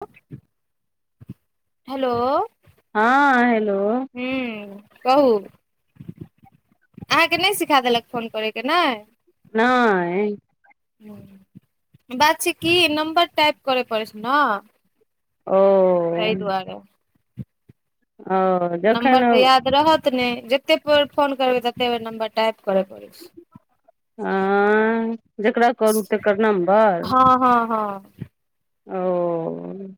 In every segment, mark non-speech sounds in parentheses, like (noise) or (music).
(unintelligible) Hello हँ hello हू कहू? अहाँके नहि सिखा देलक फोन करयके ने। नहि ह बात छै किी नम्बर टाइप करय पड़ै छै ने। ओ कै दुआारे ओ नम्बर जखन तऽ याद रहत ने जतेर फोन करबै तते बर नम्बर टा आब कर पड़स आ ह जेकरा करू तकर नम्बर हँ-हँ-हँ आ ओ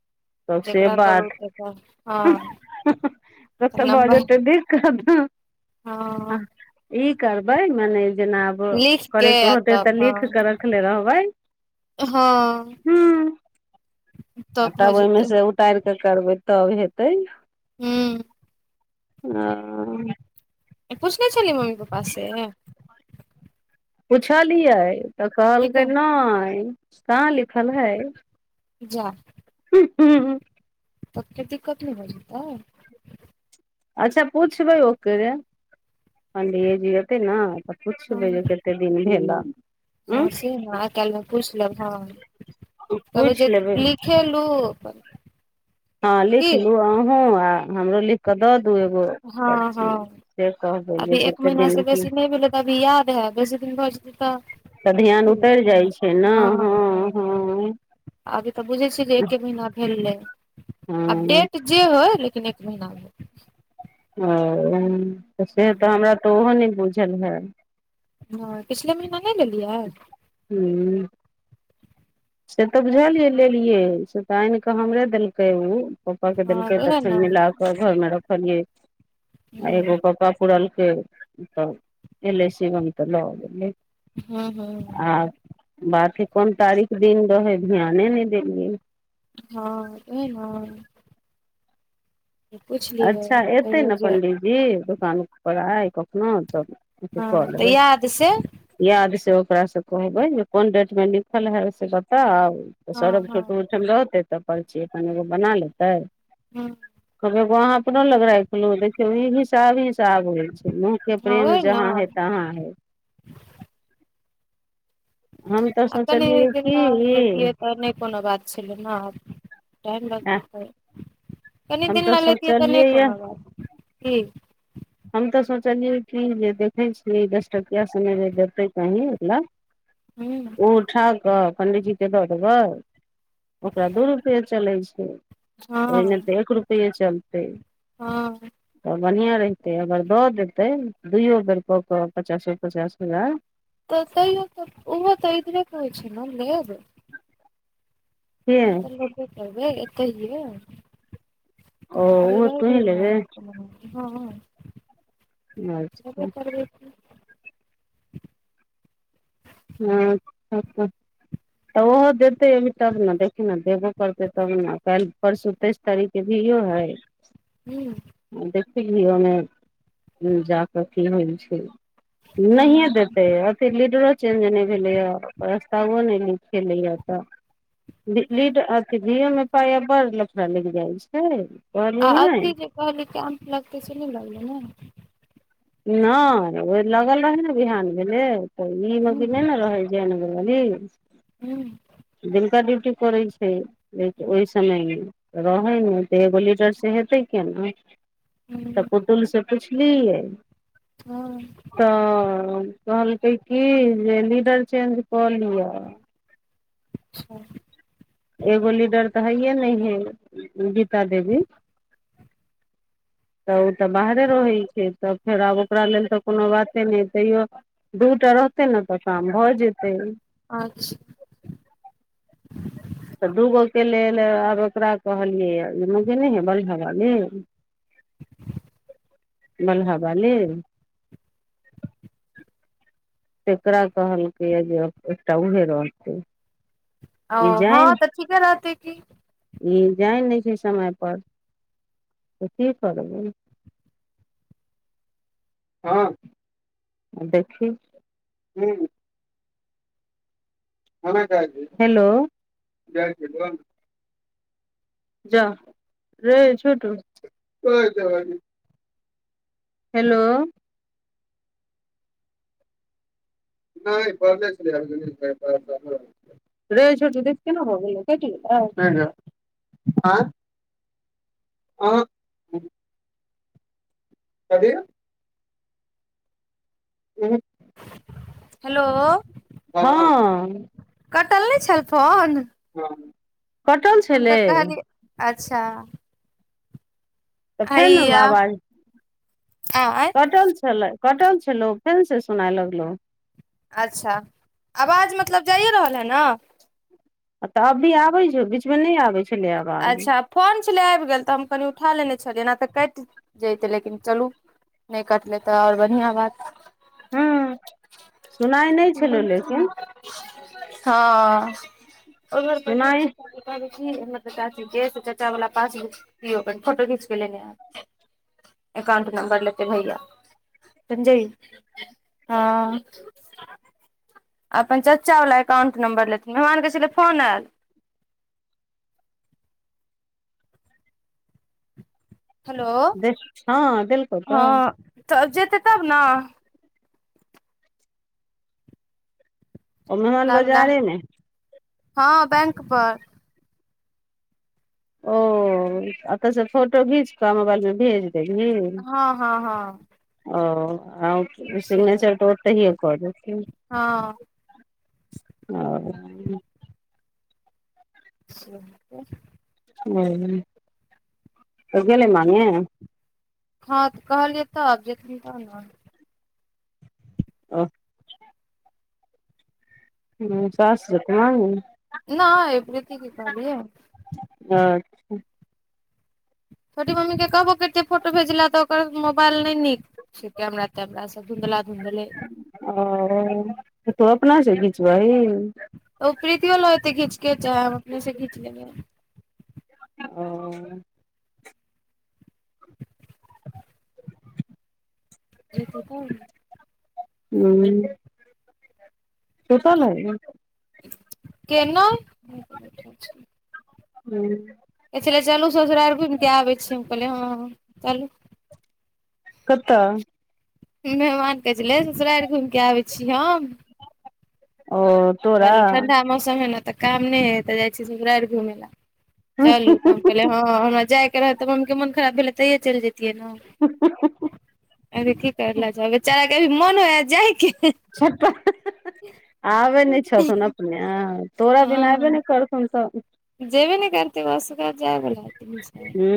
तब से जेकरा बात करू तेकर हँ। प्रत भ नम्बर जेतै देख हँ (unintelligible) ई करबै मने जेना आब लिख के करैके आ होतै तऽ तब हँ लिख कऽ रखले रहबै। हँ हूँ आ भऽ तब ओहिमे जेतै से उतार कऽ करबै तब हेतै। हूँ हँ पुछने छलियै मम्मी पप्पा से? पुछलियै तऽ की कहलकै कह नहि। कहाँ लिखल है? प जा तबके दिक्कत नहि हो जेतऽ अच्छा पूछबै ओकरे पण्डीेजी एऔते ने। त पुछबै हँ जे कते दिन भेला उ हँ से ने आइ काल्हिमे पूछि लेब हँ (unintelligible) हम कहबै जे पूछि लेबै (unintelligible) हँ की लिखलु अहँ आ हमरो लिख के दऽ दू एगो हँ पर्ची हँ से कहबै जेते दिन की तभी याद हे बेस दिन भो जेतै तब तऽ ध्यान उतरि जाइ छैय नैय हां हँ हां अभी तऽ बुझैय छियै जे एके महीना भेलै। आब हां डेट जे होैय लेकिन एक महीना भेलै। ओ तऽ से तऽ हमरा तऽ ओहो नैय बुझल हय हां पिछले महीना नैय लेलियै हूँ से तऽ बुझलियै लेलियै से तऽ आनि कऽ हमरे देलकै उ पप्पा के हँ देलकै तऽ उएह तखन ने मिलाक घर मे रखलियै आ एगो हँ पप्पा पूड़लकै तब एलै शिवम तऽ लऽ गेलै हँ आ बाकी कोन तारीख दिन रहैय ध्याने नैय देलियै हां ई हन पुछलियै अच्छा एतै कहियो ने जे पण्डि जी दोकान पर आइ कखनो तब कऽ हँ तऽ लेबै। याद से याद से ओकरासे कहबै जे कोन डेटमे लिखल हइ से बताउ तऽ हँ सौरभ के हँ छोट ओहिठाम रहतै तऽ परची अपन एगो बना लेतै (unintelligible) हां वहां अपनो लग राखलेब देखियौ ई भी हिसाब हिसाब होइ छैय नैय के हँ प्रेम ओह जहाँ ने हे तहाँ हे हम तऽ आऽ कनि सोचलियै दिन की बाद ई लेतिये त नैय कोनो बात छलै हां टाइम आ लगतै तऽ कनि हम दिन तऽ लैय लेतियै तऽ सोचलियै नैय य कोनो बात ई हम तऽ सोचलियै कि जे देखैय छियै दस टकिया सबमे जे देतै कही ल हुँ उ उठा कऽ पंडिजी के दऽ देबै ओकरा दू रुपए चलै छैय, ओहिमे तऽ एक रुपेए चलतै हां बढ़िआ रहितै अगर दऽ देतै दुइयो बेर कऽ कऽ पचासो पचास हजार तऽ तैयो तऽ ओहो तऽ इधरे के होइ छैय नैय लेब के ओ तऽ लेबे करबै एतहि ये। ओ उहो तुही लेबहि हां अच्छा हां, ह, ह तऽ उहो देतै अभी तब ने देखी ने देबो करतै तब ने काल्हि परसू तैस तारीख के भीयो हइ हूॅं देखलियौ नेय ओमे जाकऽ की होइ छैय। नैहिए हुँ देते अथि लीडरो चेंज नैय भेलैए प्रस्तावों नैय लिखेलै या तऽ लीड अथी भीओ मे पाइ बड़ लफड़ा लागि जाइ छैय। आ अथी जे कहलि कि कैम्प लगतै से नैय लगलै ने नैय ओ लगल रहे ने बिहान भेले तऽ इ मे कि नैय हुँ ने रहे जय नगर वाली हुँ दिनका ड्यूटी करैय छैय। लेकिन ओहि समयमे रहैय नैय तऽ एगो लीडरसे हेतै कियेना तऽ हुँ पुतल से पुछलियै हँ, तऽ कहलकै की, जे लीडर चेंज कऽ लिअ। अचछा, एगो लीडर तऽ हैयए नहि है, गीता देवी (inaudible) तऽ, ओ तऽ बाहरे रहै छै, तऽ फेर, आब ओकरा लेल तऽ कोनो बाते नहि, तैयो दूटा रहतै न, तऽ काम भऽ जेतै। अच्छ तऽ दूगो के लेल, आब ओकरा कहलियै, ओ जे नहि हे, बलिहा बाली बलहा बाली तकरा कहलकै या, जे एकटा उहे रहतै। ई ओ हँ जाइन तऽ ठीके रहतै की ई जाए नहि छै समय पर, तऽ की करबै हँ, देखी, ह हेलो, जाउ, रै छोटू हेलो? नहि बने छलै (unintelligible) रे छोटु देक, केना भऽ गेलो, केट गेलौ, हैया, ए (inaudible) कथी, ह, हेलो, हँ, कटल नहि छल, फोन, हँ, हम तऽ कहलिय, अच्छा, तऽ फे ने हैया आवाज, आँय कटल छलै, कटल छलो, फेन से सुनाय लगलो, अच्छा, आवाज मतलब, जाइए रहल हइ न। तऽ अभी आबे छै, बीच मे नहि आबे छै, अच्छा, फोन छलै आबि गेल, तऽ हम, कनि उठा लेने छलियै, एना तऽ कटि जतै, लेकिन चलू, नहि कटलै तऽ, आओर बढ़िआं बात, हू, सुनाइ नहि छलहु, लेकिन हँ, ओए घर पर धिया सुनाइ पुता के कि, चाची के, से चचा वला पासबूक दियो, फोटो खींच के लेने आब, एकाउंट नम्बर, लेतै भैया, संजय, आ, अपन चचा वला एककाउंट नंबर लेथिन, मेहमान के छले फोन आयल, हेलो, दे हँ देलकौ तऽ हँ, तब जेतै, तब न, ओ, मेहमान, लाबै ला बजारेमे, हँ, बैंक पर, ओ, अतस फोटो घीच कऽ, मोबाइल मे भेज, देवहिन हँ हँ हँ ओ आ से सिग्नेचर तोर ताहिए कऽ देथिन। हँ ओ। (inaudible) ओ त गेले मामी। ह कहलियअ त जेतनी तहन न। अह हु सास जेत (unintelligible) नहि प्रीती के कहलियैय। हँ। छोटी मम्मी के कहबो करतै फोटो भेजेला तऽ ओकर मोबाइल नहि नीक छै कैमरा कैमरा सब धुंधला धुंधलै ओ त तू अपना स घीचबही। ओ प्रीतियो ल एते घीचके चाहे हम अपने से घीच लेबाइ। ओ। जेत तोहन ने। हू। सुतल रहय। केना हू। कहे छले चलू ससुराइर घुमिके आबै छी हम कहलियै हँ चलू। कतऽ? मेहमान कहै छले ससुराइर घुमि के आबै छी हम। ओ। तोरा चलू ठण्डा मौसम हइ ने तऽ काम नहि हे तऽ जाइ छी ससराइर घुमय लए चलू तब कहलीये हँ हँ हमरा जायके रहै तऽ मम्मी के मोन खराब भेलै तैये चलि जैतियै ने। ह, ह, ह, अभी की करला जाउ बेचारा के अभी मन होइया जायके (unintelligible) आबै नहि छथुन अपने। तोरा बिना ऐबे नै हँ करथुन स जेबे नै करते ओ असगर जायबला। हू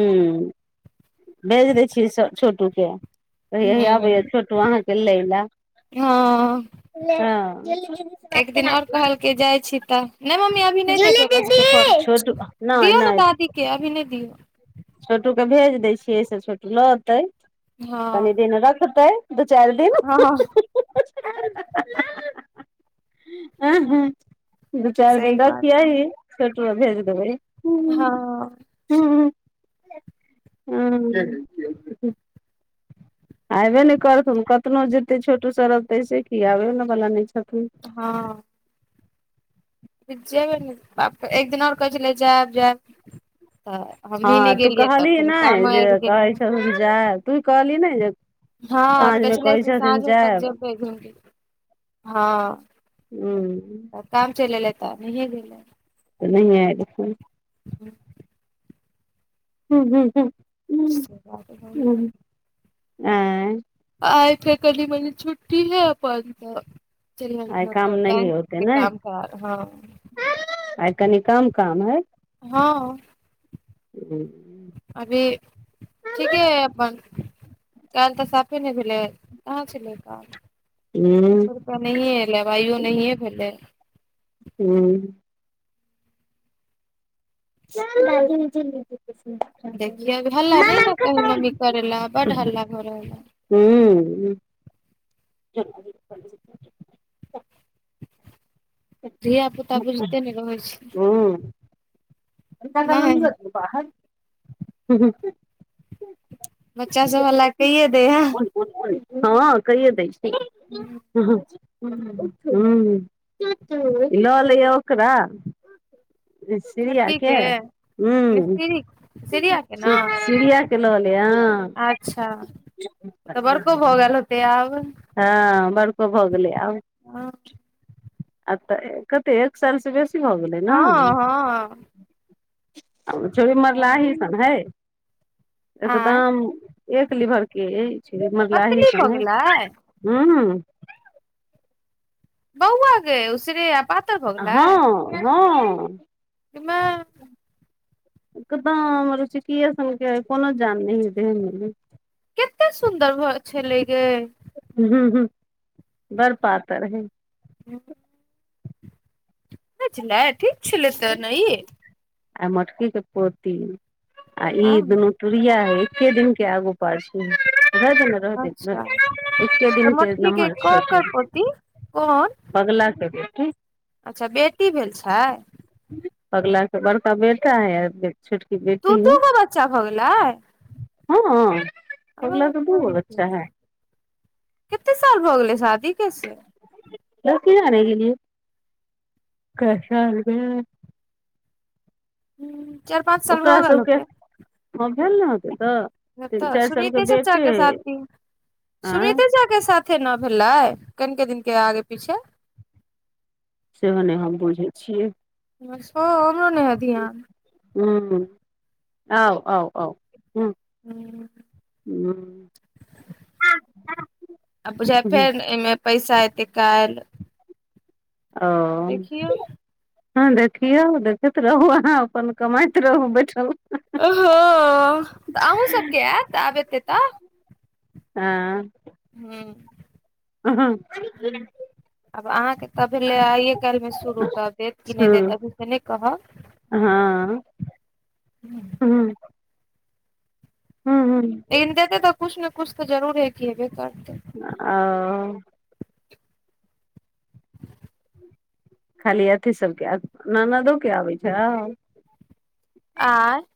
भेज दै छियै स छोटूके। कहयही आबैया हूँ छोटू अहाँके लय ला। हँ ले हं जल्दी दीदी से बात करा दे ना। कि जाय छी तऽ नै मम्मी अभी नहि देबै ओकरा सबके फोन दीदी छोटू नहि दियौ ने नहि दादी के अभी नै दिऔ। छोटू के भेज दै छियै से छोटू लऽ अतैय। हँ कनि दिन रखतै दु चाइर दिन। हँ आँ ह हा हा दू चारि सही दिन बात है रखियेहि फेर ककरो भेज देबैय। हँ। हू। हूँ। आयबे ने करथुन कतनो जेतै छोटू सौरभ तय स कि आबै बला नै छथुन। हँ। जेबै नै बाप एक दिन आर कहै छलै जायब जायब तऽ हमही हँ नहि तू गेलियै तऽ कहली फेर नै कामो जे आबि गेलै कहै छतुन जैब तू कहली नहि जे हँ तऽ साँझमे छलै कहै से छथिन साँझ तक जायब। जेबै घुमि के हँ हू काम चैल एलै तऽ नहिये भलैय। तऽ नहिये एतखुन। हंँ हू हू हू से बात भ गेलै। एऽ आइ फेर कनी मनी छुट्टी हे अपन तऽ चलियै आइ काम मतलब नहि बैंक ओते के नै काम करार हँ आइ कनि कम काम है। हँऽ हूँ अभी ठीके है अपन। काइल तऽ साफे नहि भेलै कहाँ छलै काम। हू रुपया नहिए एलै आइयो नहिये भेलै। हूँ चलू सात दिन में चैल जेतै। देखियो हल्ला नैने करू मम्मी करे ला बड हल्ला भ रहल हअ। ह्म। धिया पुता बुझते नै रहै छै। नहि (unintelligible) बाहर हूँ हू बच्चा सब हल्ला कइये देै हे। बुझबै हऽ कहिये दै छै। हू ह्म ह लऽ लैअ ओकरा। री सीरिया के हँ। मिस्त्री सिरिया के ने चिड़िया के लऽले अ अच्छा तऽ बड़को भऽ गेल होतै आब। हँ बड़को भऽ गेलै आब। हँ आब तऽ कतेक एक साल सँ बेसी भऽ गेलै नऽ हँ आब उ छौरी मरलाही सन हय। आँय एकदम एक लीभर के एछ मरलाही सन है। आँय ह्म। बौआ गै उसिरे आ पात हँ हँ। माय एकदम रुचकिए सनके हय कोनो जान नहि है देह मे। केते सुन्दर घर छलै गैइ। हंँ हँ बड़ पातैर है। (inaudible) कता छलै ठीक छलै तऽ नै ई। आ मोटकी के पोती आ ई हँ दुनू तूरिया है एके दिन के आगू पाछू ध देन वैह देखबै अच्छा एके तऽ दिन के मोटकी नम्हर छै ककर पोती (unintelligible) कोन पगला के बेटी। अच्छा बेटी भेल छै? पगला के बड़का बेटा यै फेर छोटकी दू बेटी यै। दू गो बच्चा भऽ गेलै हां। आरो तोड़ी के कत्ते साल भऽ गेले शादी के से? (unintelligible) नै गेलिए (unintelligible) चारि पाँच साल ओकरा भऽ गेल सबके होतै हां भेल नै होतै तै। नय तऽ सुमिते चचा के साथी, आँय सुमिते चा के साथी न भेलै कनिकेे दिन के आगे-पीछे। सेहो नहि हम बुझै छियै (inaudible) हां हमरो नै हय ध्यान। हुं आउ-आउ-आउ हुं। हूं। (unintelligible) आब बुझा हूँ फेर एय मे पैसा ऐते काएल। औ। देखियौ हां देखियौ, देखैत रहू अहाँ अपन कमाइत रहू बैठल मे। अ हां तऽ अहूं सबके ऐत, आब एते तऽ। हां। हूं। (unintelligible) आब अहाँके तऽ भेले आइए काएल मे शुरू तऽ आब देत कि नय देत अभी से नै कहब। हां। हुं। हूँ। हूं-हूं। लेकिन देतै तऽ कुछ नै कुछ तऽ जरूर अथी हेबे करतै। औ। खाली अथी सबके आ ननदो के आबै छौ। (unintelligible)